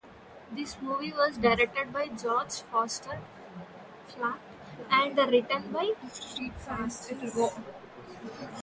The movie was directed by George Foster Platt and written by Francis Trevelyan Miller.